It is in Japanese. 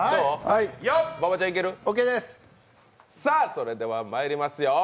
それではまいりますよ